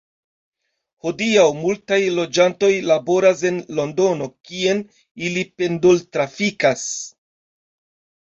Hodiaŭ multaj loĝantoj laboras en Londono, kien ili pendol-trafikas.